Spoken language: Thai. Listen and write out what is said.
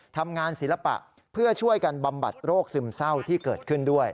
ทำงานศิลปะเพื่อช่วยกันบำบัดโรคซึมเศร้าที่เกิดขึ้นด้วย